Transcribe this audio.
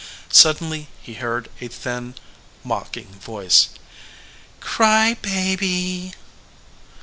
Suddenly he heard a thin, mocking voice, "Cry baby."